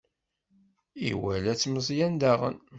Iwala-tt Meẓyan, daɣen.